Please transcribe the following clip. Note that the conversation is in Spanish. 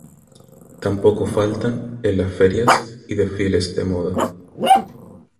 Tampoco faltan en las ferias y desfiles de moda.